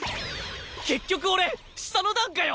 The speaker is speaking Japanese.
結局俺下の段かよ！